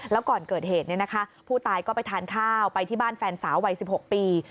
แล้วก่อนเกิดเหตุผู้ตายก็ไปทานข้าวไปที่บ้านแฟนสาววัย๑๖ปี